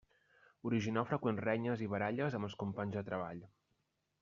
Originar freqüents renyes i baralles amb els companys de treball.